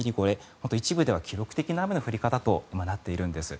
本当、一部では記録的な雨の降り方となっているんです。